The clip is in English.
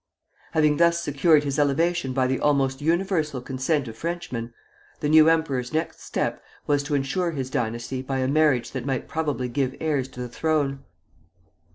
Having thus secured his elevation by the almost universal consent of Frenchmen, the new emperor's next step was to insure his dynasty by a marriage that might probably give heirs to the throne.